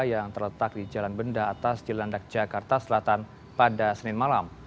yang terletak di jalan benda atas jelandak jakarta selatan pada senin malam